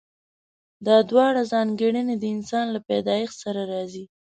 دا دواړه ځانګړنې د انسان له پيدايښت سره راځي.